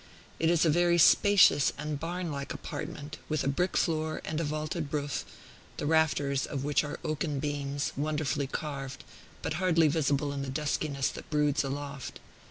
It is a very spacious and barn like apartment, with a brick floor, and a vaulted roof, the rafters of which are oaken beams, wonderfully carved, but hardly visible in the duskiness that broods aloft.